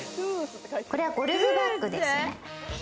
これはゴルフバッグですね。